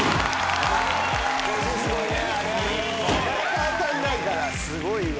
なかなか当たんないからすごいわ。